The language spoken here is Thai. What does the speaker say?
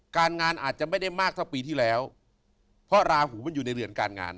การงานอาจจะไม่ได้มากเท่าปีที่แล้วเพราะราหูมันอยู่ในเรือนการงาน